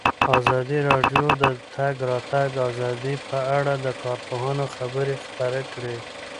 ازادي راډیو د د تګ راتګ ازادي په اړه د کارپوهانو خبرې خپرې کړي.